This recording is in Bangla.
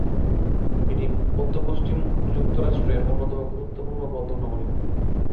এটি মধ্য-পশ্চিম যুক্তরাষ্ট্রের অন্যতম গুরুত্বপূর্ণ বন্দরনগরী।